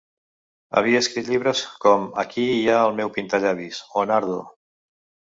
Havia escrit llibres com ‘Aquí hi ha el meu pintallavis’ o ‘Nardo.